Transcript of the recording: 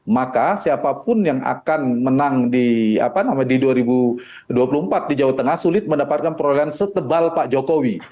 maka siapapun yang akan menang di dua ribu dua puluh empat di jawa tengah sulit mendapatkan perolehan setebal pak jokowi